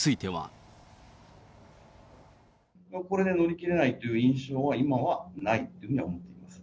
これで乗り切れないという印象は、今はないっていうふうに思ってます。